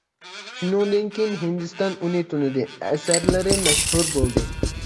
شۇنىڭدىن كېيىن ھىندىستان ئۇنى تونۇدى، ئەسەرلىرى مەشھۇر بولدى.